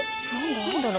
何だ？